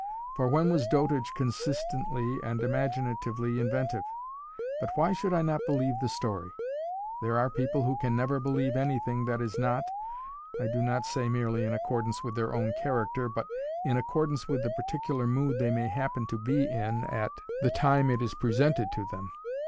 For when was dotage consistently and imaginatively inventive? But why should I not believe the story? There are people who can never believe anything that is not (I do not say merely in accordance with their own character, but) in accordance with the particular mood they may happen to be in at the time it is presented to them.